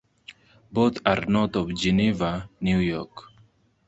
Both are north of Geneva, New York.